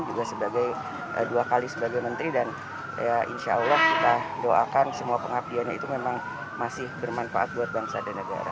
juga sebagai dua kali sebagai menteri dan insya allah kita doakan semua pengabdiannya itu memang masih bermanfaat buat bangsa dan negara